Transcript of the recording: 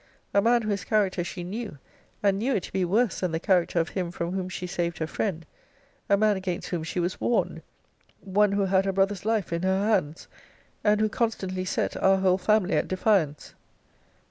A man whose character she knew; and knew it to be worse than the character of him from whom she saved her friend; a man against whom she was warned: one who had her brother's life in her hands; and who constantly set our whole family at defiance.